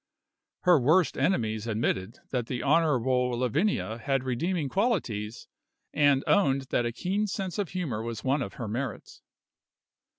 Her worst enemies admitted that the honorable Lavinia had redeeming qualities, and owned that a keen sense of humor was one of her merits.